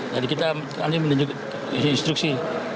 jadi kita nanti menunjuk instruksi